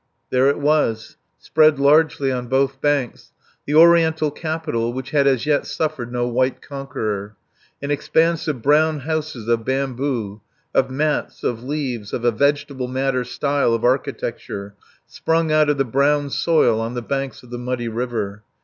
There it was, spread largely on both banks, the Oriental capital which had as yet suffered no white conqueror; an expanse of brown houses of bamboo, of mats, of leaves, of a vegetable matter style of architecture, sprung out of the brown soil on the banks of the muddy river.